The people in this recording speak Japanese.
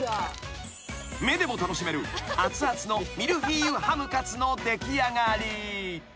［目でも楽しめるあつあつのミルフィーユハムカツの出来上がり］